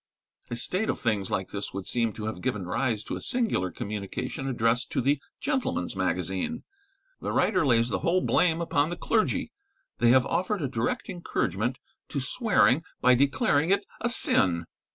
A state of things like this would seem to have given rise to a singular communication addressed to the 'Gentleman's Magazine.' The writer lays the whole blame upon the clergy; they have offered a direct encouragement to swearing by declaring it a sin.